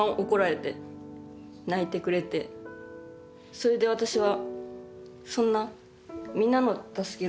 それで私は。